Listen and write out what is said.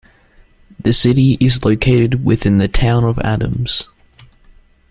The city is located within the Town of Adams.